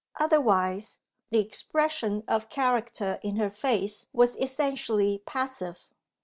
Otherwise, the expression of character in her face was essentially passive.